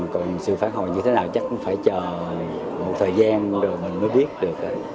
còn sự phản hồi như thế nào chắc cũng phải chờ một thời gian rồi mình mới biết được